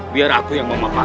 biar aku yang memapah